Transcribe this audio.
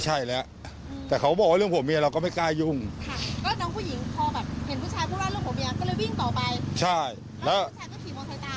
ใช่แล้วผู้ชายก็ขี่มองใส่ตาม